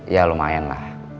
ya lumayan lah